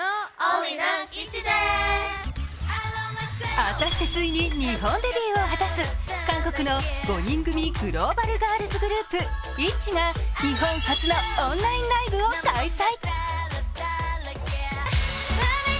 あさって、ついに日本デビューを果たす韓国の５人組グローバルガールズグループ、ＩＴＺＹが日本初のオンラインライブを開催。